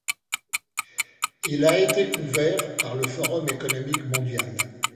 Il a été couvert par le Forum économique mondial.